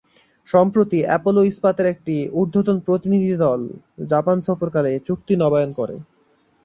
সম্প্রতি অ্যাপোলো ইস্পাতের একটি ঊর্ধ্বতন প্রতিনিধিদল জাপান সফরকালে এ চুক্তি নবায়ন করে।